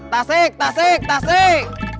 tasik tasik tasik